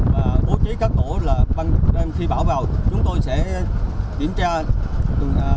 và bố trí các tổ là khi bão vào chúng tôi sẽ kiểm tra